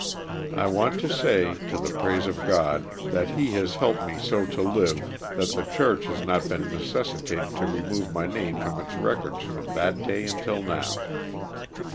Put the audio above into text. I want to say, to the praise of God, that He has helped me so to live that the church has not been necessitated to remove my name from its records from that day until now.